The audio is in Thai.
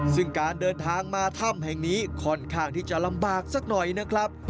ซึ่งการเดินทางมาถ้ำแห่งนี้ค่อนข้างที่จะลำบากสักหน่อยนะครับ